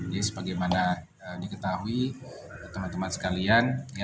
jadi sebagaimana diketahui teman teman sekalian